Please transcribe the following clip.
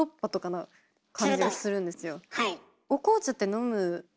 はい。